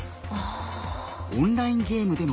オンラインゲーム。